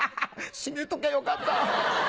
閉めときゃよかった。